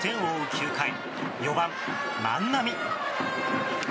９回４番、万波。